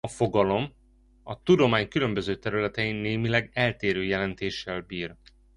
A fogalom a tudomány különböző területein némileg eltérő jelentéssel bír.